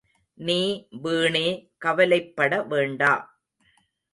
நீ வீணே கவலைப்பட வேண்டா.